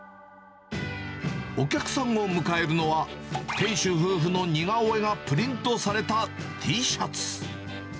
お客さんを迎えるのは、店主夫婦の似顔絵がプリントされたＴシャツ。